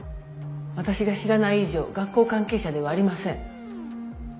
私が知らない以上学校関係者ではありません。